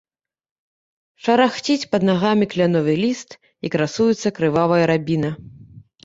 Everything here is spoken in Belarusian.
Шарахціць пад нагамі кляновы ліст, і красуецца крывавая рабіна.